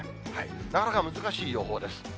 なかなか難しい予報です。